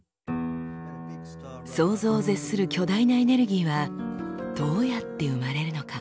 想像を絶する巨大なエネルギーはどうやって生まれるのか？